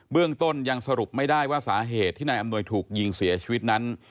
เรื่องต้นยังสรุปไม่ได้ว่าสาเหตุที่นายอำนวยถูกยิงเสียชีวิตนั้น